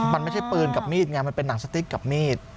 มันไม่ใช่ปืนกับมีดไงมันเป็นหนังสติ๊กกับมีด